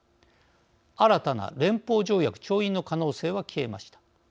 新たな連邦条約調印の可能性は消えました。